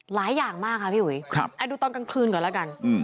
หลายอย่างมากค่ะพี่อุ๋ยดูตอนกลางคืนก่อนแล้วกัน